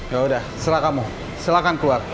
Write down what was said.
yaudah serah kamu silahkan keluar